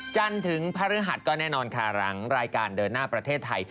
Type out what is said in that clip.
จันทร์ถึงพระฤหัสก็แน่นอนค่ะหลังรายการเดินหน้าประเทศไทย